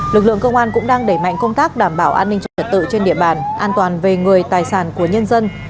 lực lượng công an cũng đang đẩy mạnh công tác đảm bảo an ninh trật tự trên địa bàn an toàn về người tài sản của nhân dân